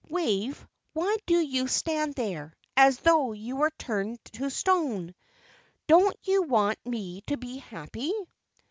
"Wave, why do you stand there, as though you were turned to stone? Don't you want me to be happy?"